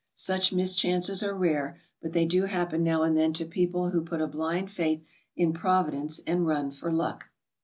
Such mischances are rare, but they do happen now and then to people who put a blind faith in Providence and run for luck.